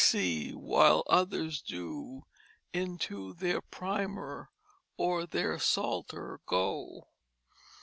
B. C, while others do Into their Primer or their Psalter go.